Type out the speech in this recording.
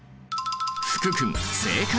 福君正解！